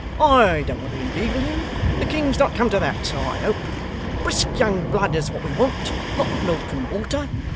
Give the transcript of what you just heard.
I don't want to inveigle you. The king's not come to that, I hope. Brisk young blood is what we want; not milk and water.